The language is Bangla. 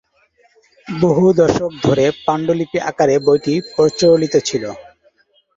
বহু দশক ধরে পাণ্ডুলিপি আকারে বইটি প্রচলিত ছিল।